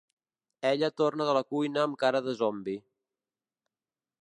Ella torna de la cuina amb cara de zombi.